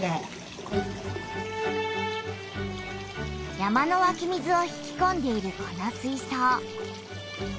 山のわき水を引きこんでいるこの水そう。